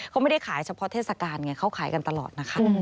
เขาไม่ได้ขายเฉพาะเทศกาลไงเขาขายกันตลอดนะคะ